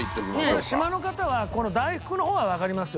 これ島の方は大福の方はわかりますよ